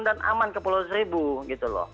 dan aman ke pulau seribu gitu loh